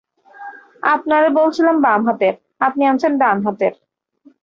আপনারে বলছিলাম বাম হাতের, আপনি আনছেন ডান হাতের!